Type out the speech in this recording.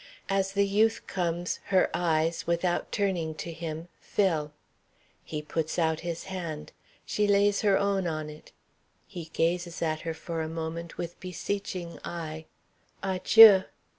As the youth comes her eyes, without turning to him, fill. He puts out his hand. She lays her own on it. He gazes at her for a moment, with beseeching eye "Adjieu."